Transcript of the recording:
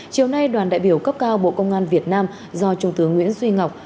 chiều nay đoàn đại biểu cấp cao bộ công an việt nam do trung tướng nguyễn duy ngọc